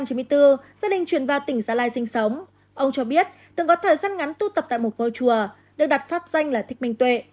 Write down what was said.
năm một nghìn chín trăm chín mươi bốn gia đình chuyển vào tỉnh gia lai sinh sống ông cho biết từng có thời gian ngắn tu tập tại một ngôi chùa được đặt pháp danh là thích bình tuệ